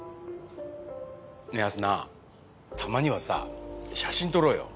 ねぇ明日菜たまにはさ写真撮ろうよ。